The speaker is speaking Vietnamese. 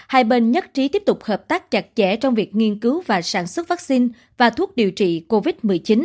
hai bên nhất trí tiếp tục hợp tác chặt chẽ trong việc nghiên cứu và sản xuất vaccine và thuốc điều trị covid một mươi chín